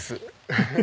ハハハ。